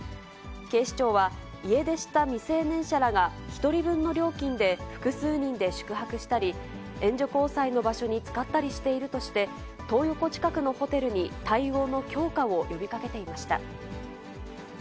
警視庁は、家出した未成年者らが１人分の料金で複数人で宿泊したり、援助交際の場所に使ったりしているとして、トー横近くのホテルに対応の強化を呼びかけていました。